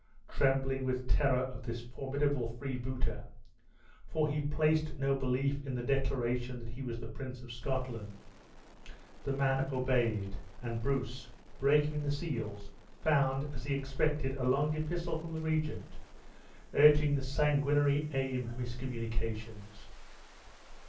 Trembling with terror of this formidable freebooter (for he placed no belief in the declaration that he was the Prince of Scotland), the man obeyed, and Bruce, breaking his seals, found, as he expected a long epistle from the regent, urging the sanguinary aim of his communications.